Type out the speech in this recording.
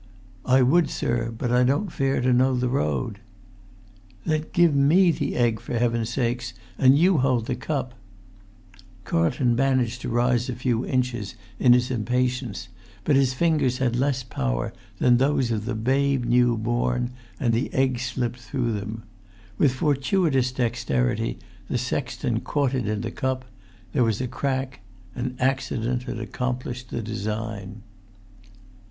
"I would, sir, but I don't fare to know the road." "Then give me the egg, for heaven's sake, and you hold the cup." [Pg 222]Carlton managed to rise a few inches in his impatience; but his fingers had less power than those of the babe new born, and the egg slipped through them. With fortuitous dexterity, the sexton caught it in the cup; there was a crack; and accident had accomplished the design.